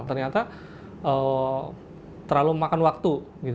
ternyata terlalu memakan waktu